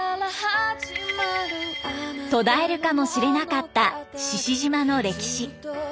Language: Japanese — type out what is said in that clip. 途絶えるかもしれなかった志々島の歴史。